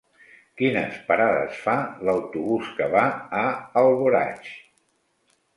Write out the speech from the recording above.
Quines parades fa l'autobús que va a Alboraig?